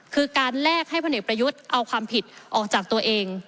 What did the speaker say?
คือการแลกให้พลเอกประยุทธ์เอาความผิดออกจากตัวเอง